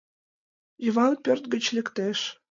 Йыван пӧрт гыч лектеш.